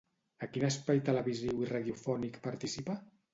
A quin espai televisiu i radiofònic participa?